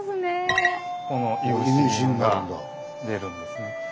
このいぶし銀が出るんですね。